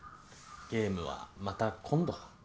ゲームはまた今度。